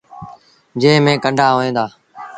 جݩهݩ ميݩ ڪنڊآ هوئين دآ۔